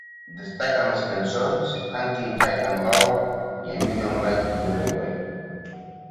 Destaquen les cançons "Hunting High And Low" i "A Million Light Years Away".